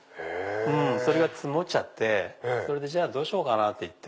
それが積もっちゃってどうしようかな？っていって。